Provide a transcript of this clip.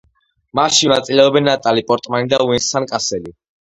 მასში მონაწილეობენ ნატალი პორტმანი და ვენსან კასელი.